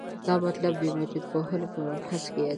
دا مطلب د میتودپوهنې په مبحث کې یادېږي.